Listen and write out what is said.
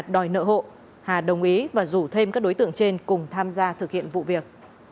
đòi nợ hộ hà đồng ý và rủ thêm các đối tượng trên cùng tham gia thực hiện vụ việc